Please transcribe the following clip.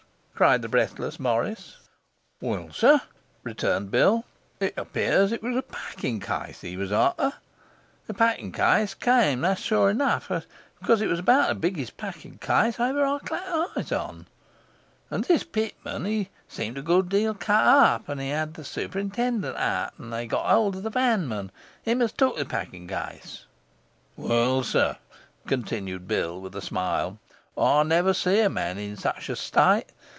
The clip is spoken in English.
cried the breathless Morris. 'Well, sir,' returned Bill, 'it appears it was a packing case he was after. The packing case came; that's sure enough, because it was about the biggest packing case ever I clapped eyes on. And this Pitman he seemed a good deal cut up, and he had the superintendent out, and they got hold of the vanman him as took the packing case. Well, sir,' continued Bill, with a smile, 'I never see a man in such a state.